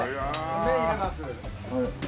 麺入れます。